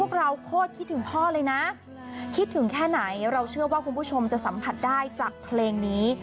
เราโคตรคิดถึงพ่อเลยนะคิดถึงแค่ไหนเราเชื่อว่าคุณผู้ชมจะสัมผัสได้จากเพลงนี้